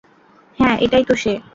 হ্যাঁ, এটাইতো সে!